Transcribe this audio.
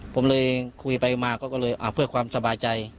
ผมเลยคุยไปมาก็เลยเพื่อความสบายใจ